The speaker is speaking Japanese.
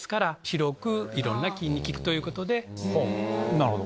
なるほど。